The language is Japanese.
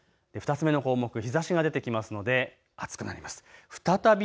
２つ目の項目、日ざしが出てきますので暑くなります。